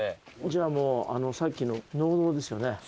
じゃあもうさっきの農道ですよね。